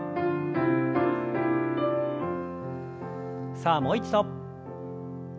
さあもう一度。